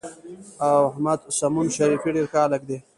احمد سمون شریفي ډېر ښه هلک دی.